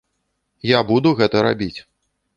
Я буду гэта рабіць.